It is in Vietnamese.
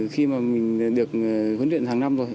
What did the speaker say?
khi mà mình được huấn luyện hàng năm rồi